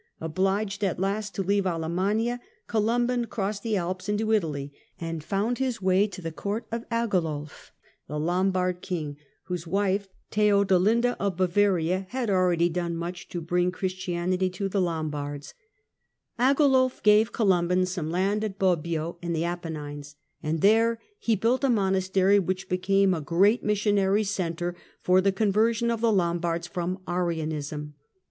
Obliged at last to leave Alemannia, Columban crossed the Alps into Italy, and found his way to the Court of Agilulf, the Lombard king, whose wife, Theodelinda of Bavaria, had already done much to bring Christianity to the Lom 72 THE DAWN OF MEDIAEVAL EUROPE Bobbio bards. Agilulf gave Columban some land at Bobbio in the Apennines ; and there he built a monastery which became a great missionary centre for the conversion of the Lombards from Arianism.